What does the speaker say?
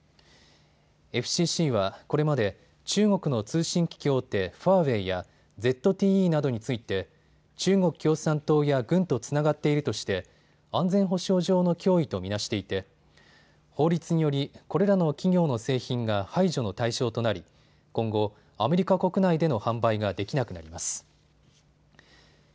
ＦＣＣはこれまで中国の通信機器大手、ファーウェイやＺＴＥなどについて中国共産党や軍とつながっているとして安全保障上の脅威と見なしていて法律により、これらの企業の製品が排除の対象となり今後、アメリカ国内での販売ができなくなります。